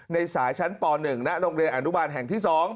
ในสายชั้นป๑ณโรงเรียนอนุบาลแห่งที่๒